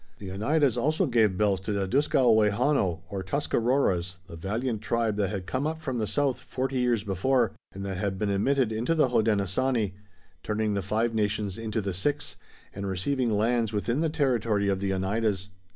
The Oneidas also gave belts to the Dusgaowehono, or Tuscaroras, the valiant tribe that had come up from the south forty years before, and that had been admitted into the Hodenosaunee, turning the Five Nations into the Six, and receiving lands within the territory of the Oneidas.